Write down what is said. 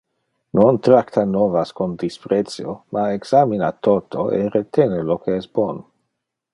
Non tracta novas con disprecio, ma examina toto e retene lo que es bon.